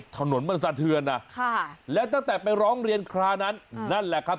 ถนนมันสะเทือนนะค่ะแล้วตั้งแต่ไปร้องเรียนคราวนั้นนั่นแหละครับ